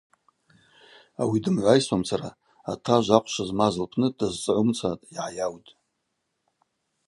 Ауи дымгӏвайсуамцара атажв ахъвшв змаз лпны дазцӏгӏумца йгӏайаутӏ.